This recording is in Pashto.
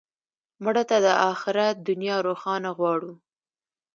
مړه ته د آخرت دنیا روښانه غواړو